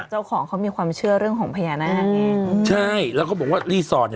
เจ้าของเขามีความเชื่อเรื่องของพยานาค่ะใช่แล้วก็บอกว่าเนี้ย